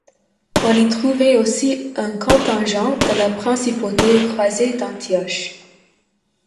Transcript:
On y trouvait aussi un contingent de la principauté croisée d'Antioche.